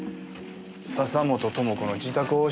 笹本智子の自宅押収物。